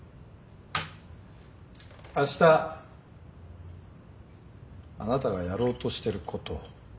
あしたあなたがやろうとしてること。